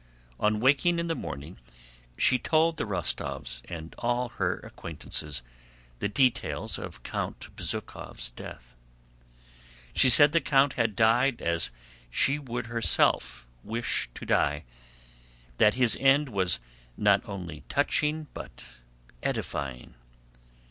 On waking in the morning she told the Rostóvs and all her acquaintances the details of Count Bezúkhov's death. She said the count had died as she would herself wish to die, that his end was not only touching but edifying.